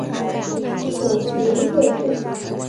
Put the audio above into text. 属绥越郡。